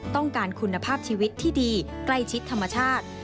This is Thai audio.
ต้องการคุณภาพชีวิตที่ดีใกล้ชิดธรรมชาติ